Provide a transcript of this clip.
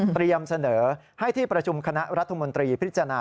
เสนอให้ที่ประชุมคณะรัฐมนตรีพิจารณา